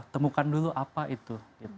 temukan dulu apa itu